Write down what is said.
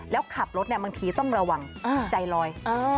แล้วขับรถบางทีต้องระวังใจลอย